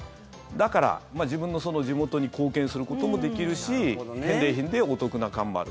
だから、自分の地元に貢献することもできるし返礼品でお得な感もある。